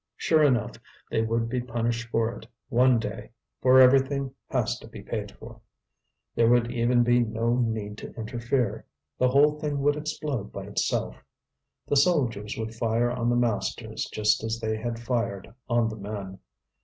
Sure enough, they would be punished for it one day, for everything has to be paid for. There would even be no need to interfere; the whole thing would explode by itself. The soldiers would fire on the masters just as they had fired on the men.